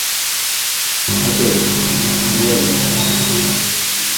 Apple ka ci, yay!